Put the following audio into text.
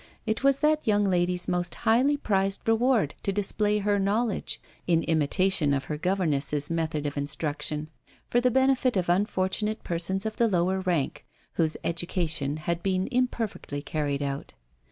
It was that young lady's most highly prized reward to display her knowledge (in imitation of her governess's method of instruction) for the benefit of unfortunate persons of the lower rank, whose education had been imperfectly carried out.